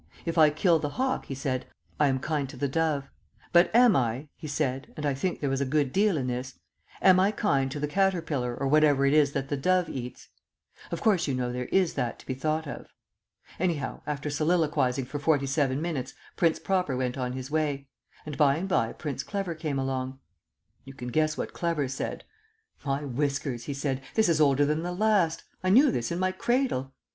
If I kill the hawk," he said, "I am kind to the dove, but am I," he said, and I think there was a good deal in this "am I kind to the caterpillar or whatever it is that the dove eats?" Of course, you know, there is that to be thought of. Anyhow, after soliloquizing for forty seven minutes Prince Proper went on his way; and by and by Prince Clever came along. You can guess what Clever said. "My whiskers!" he said, "this is older than the last. I knew this in my cradle."